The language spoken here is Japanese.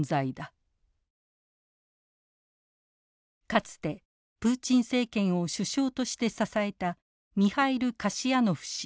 かつてプーチン政権を首相として支えたミハイル・カシヤノフ氏。